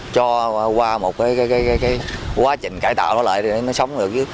cho qua một cái quá trình cải tạo nó lại để nó sống được